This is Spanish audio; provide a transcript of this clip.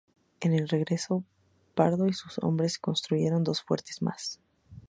En el regreso, Pardo y sus hombres construyeron dos fuertes más.